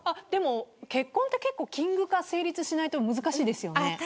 結婚ってキング化成立しないと難しいですよね。